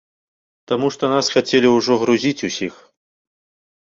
Таму што нас хацелі ўжо грузіць усіх.